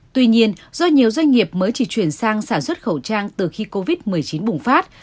tuy nhiên do nhiều doanh nghiệp mới chỉ chuyển sang sản xuất khẩu trang từ khi covid một mươi chín bùng phát